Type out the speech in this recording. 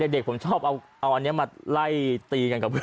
เด็กผมชอบเอาอันนี้มาไล่ตีกันกับเพื่อน